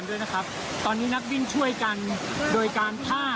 เพื่อนอีกช่างหนึ่งก็ช่วยเอาโทรนะครับ